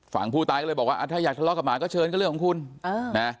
ฝั่งผู้ตายก็เลยบอกว่าถ้าอยากทะเลาะกับหมาก็เชิญก็เรื่องของคุณนะ